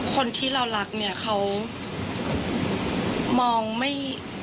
คนที่เรารักเนี่ยเขามองไม่